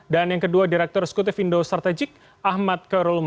dan yang kedua direktur sekutif indo strategik ahmad karel umam